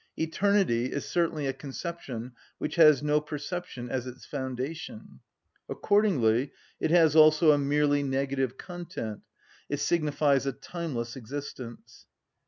Eternity is certainly a conception which has no perception as its foundation; accordingly it has also a merely negative content; it signifies a timeless existence.